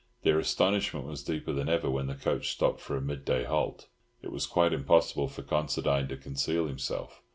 Their astonishment was deeper than ever when the coach stopped for a midday halt. It was quite impossible for Considine to conceal himself.